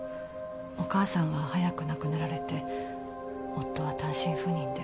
お母さんは早く亡くなられて夫は単身赴任で。